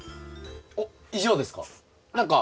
おっ以上ですか？